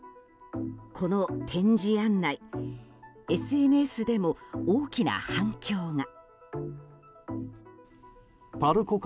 この展示案内ＳＮＳでも大きな反響が。